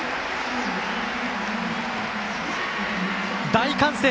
大歓声！